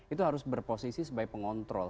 itu harus berposisi sebagai pengontrol